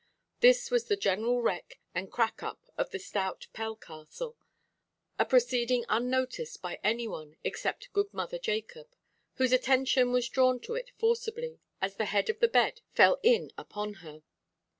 This was the general wreck and crack–up of the stout Pell–castle, a proceeding unnoticed by any one except good mother Jacob, whose attention was drawn to it forcibly, as the head of the bed fell in upon her.